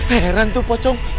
heran tuh pocong